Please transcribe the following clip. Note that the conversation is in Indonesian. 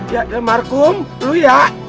ya dan markum lu ya